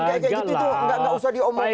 kayak gitu tuh gak usah diomongin